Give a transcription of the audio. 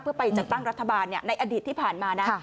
เพื่อไปจัดตั้งรัฐบาลในอดีตที่ผ่านมานะ